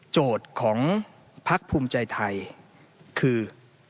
โจทย์ของพักภูมิใจไทยคือ